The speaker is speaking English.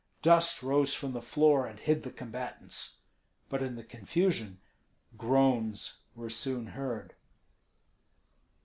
Dust rose from the floor and hid the combatants; but in the confusion groans were soon heard.